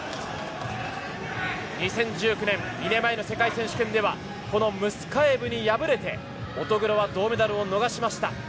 ２０１９年２年前の世界選手権ではこのムスカエブに敗れて乙黒は銅メダルを逃しました。